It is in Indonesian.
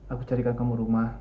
aku akan mencari kamu rumah